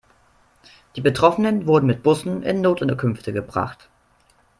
Die Betroffenen wurden mit Bussen in Notunterkünfte gebracht.